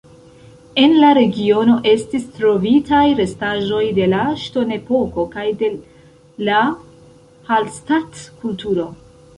En la regiono estis trovitaj restaĵoj de la ŝtonepoko kaj de la Hallstatt-kulturo.